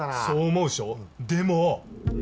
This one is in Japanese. そう思うっしょ？でも。